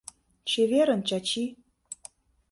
— Чеверын, Чачи!